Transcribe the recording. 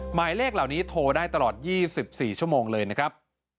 หมายเลขเหล่านี้โทรได้ตลอด๒๔ชั่วโมงเลยนะครับ